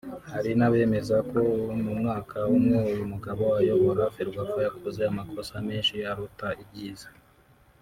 Hari n’abemeza ko mu mwaka umwe uyu mugabo ayobora Ferwafa yakoze amokosa menshi aruta ibyiza